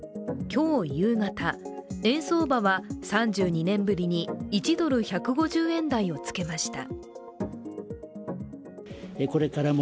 今日夕方、円相場は３２年ぶりに１ドル＝１５０円台をつけました。